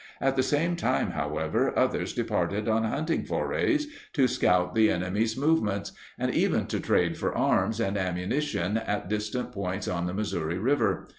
At the same time, however, others departed on hunting forays, to scout the enemy's movements, and even to trade for arms and ammunition at distant points on the Missouri River.